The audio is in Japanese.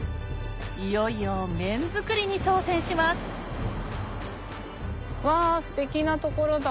いよいよ麺作りに挑戦しますわステキな所だ